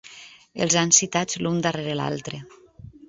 Els han citats l’un darrere l’altre.